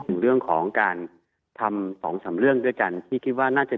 ถึงเรื่องของการทำสองสามเรื่องด้วยกันที่คิดว่าน่าจะ